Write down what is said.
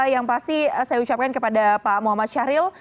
yang pasti saya ucapkan kepada pak muhammad syahril